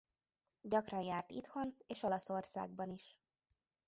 Gyakran járt itthon és Olaszországban is.